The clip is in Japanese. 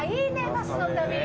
バスの旅。